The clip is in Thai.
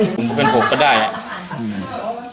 ขุมเป็นหกก็ได้อะ